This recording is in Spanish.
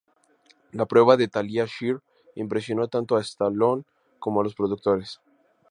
La prueba de Talia Shire impresionó tanto a Stallone como a los productores.